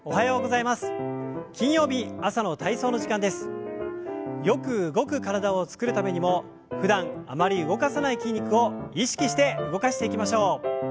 よく動く体を作るためにもふだんあまり動かさない筋肉を意識して動かしていきましょう。